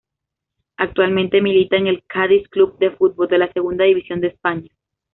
Actualmente milita en el Cádiz Club de Fútbol de la Segunda División de España.